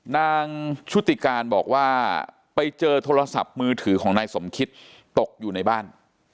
ชุติการบอกว่าไปเจอโทรศัพท์มือถือของนายสมคิตตกอยู่ในบ้าน